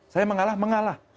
saya mengalah mengalah